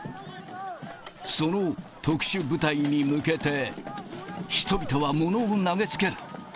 その特殊部隊に向けて、人々は物を投げつける。